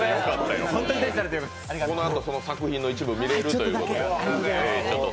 このあと、その作品の一部が見られるということで。